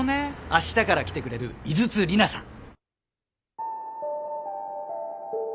明日から来てくれる井筒里奈さん。